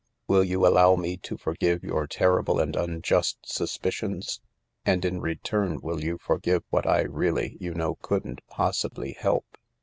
Will you allowme to forgive your terrible and unjust suspicions, and in return will you forgive what I really, you know, couldn't possibly help